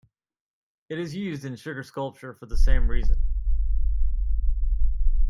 It is used in sugar sculpture for the same reason.